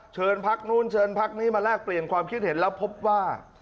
เชิญภักดิ์นี้มาแลกเปลี่ยนความคิดเห็นแล้วพบว่า